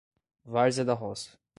Várzea da Roça